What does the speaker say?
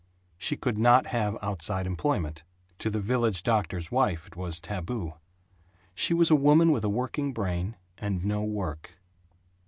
She could not have outside employment. To the village doctor's wife it was taboo. She was a woman with a working brain and no work.